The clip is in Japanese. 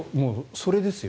それですよ。